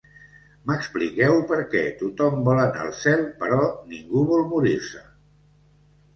M'expliqueu per què tothom vol anar al cel però ningú vol morir-se?